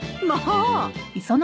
まあ！